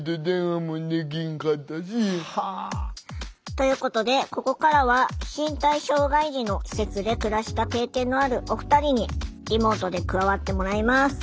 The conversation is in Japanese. ということでここからは身体障害児の施設で暮らした経験のあるお二人にリモートで加わってもらいます。